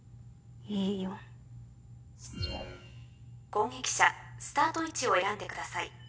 攻撃者スタート位置を選んでください。